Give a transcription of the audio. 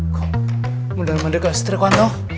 kok mudah mudahan gak setir kok